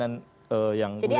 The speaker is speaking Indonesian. yang kemudian dianggap menyimpan